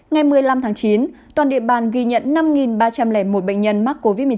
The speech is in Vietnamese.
ngày một mươi năm tháng chín toàn địa bàn ghi nhận năm ba trăm linh một bệnh nhân mắc covid một mươi chín